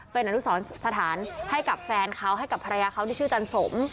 เป็นอนุสรสถานให้กับแฟนเขาให้กับภรรยาเขาที่ชื่อจันสม